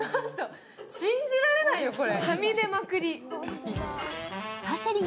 信じられないよ、これ。